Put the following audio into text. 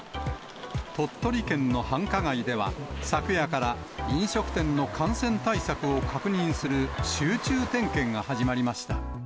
鳥取県の繁華街では、昨夜から飲食店の感染対策を確認する集中点検が始まりました。